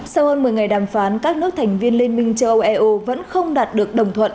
sau hơn một mươi ngày đàm phán các nước thành viên liên minh châu âu eu vẫn không đạt được đồng thuận